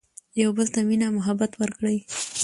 يو بل ته مينه محبت ور کړي